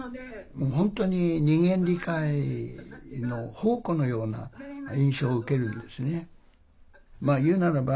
もう本当に人間理解の宝庫のような印象を受けるんですね。